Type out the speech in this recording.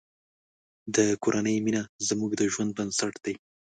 د کورنۍ مینه زموږ د ژوند بنسټ دی.